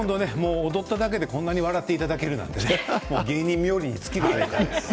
踊っただけでこんなに笑っていただけるなんて芸人冥利に尽きます。